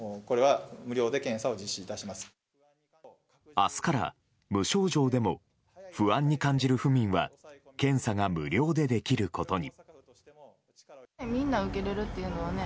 明日から、無症状でも不安に感じる府民は検査が無料でできることに。